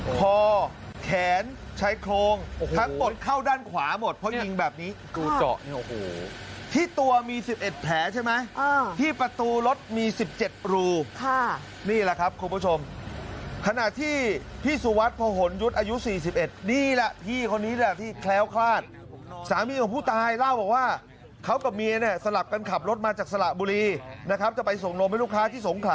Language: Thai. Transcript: คอแขนชายโครงทั้งหมดเข้าด้านขวาหมดเพราะยิงแบบนี้ดูเจาะเนี่ยโอ้โหที่ตัวมี๑๑แผลใช่ไหมที่ประตูรถมี๑๗รูนี่แหละครับคุณผู้ชมขณะที่พี่สุวัสดิพหนยุทธ์อายุ๔๑นี่แหละพี่คนนี้แหละที่แคล้วคลาดสามีของผู้ตายเล่าบอกว่าเขากับเมียเนี่ยสลับกันขับรถมาจากสระบุรีนะครับจะไปส่งนมให้ลูกค้าที่สงขลา